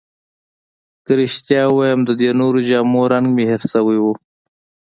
که رښتیا ووایم، د دې نورو جامو رنګ مې هیر شوی وو.